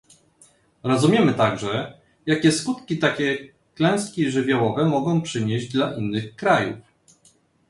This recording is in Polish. Rozumiemy także, jakie skutki takie klęski żywiołowe mogą przynieść dla innych krajów